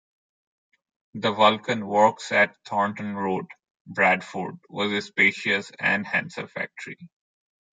The Vulcan Works at Thornton Road, Bradford was a spacious and handsome factory.